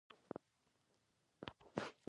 زه د ټولنې یو وګړی یم .